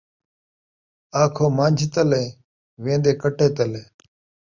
آکھو منجھ تلے، ویندے کٹے تلے